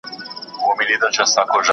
¬ د بارانه ولاړی، تر ناوې لاندي ئې شپه سوه.